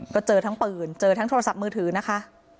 ก็เจอทั้งปืนเจอทั้งโทรศัพท์มือถือนะคะ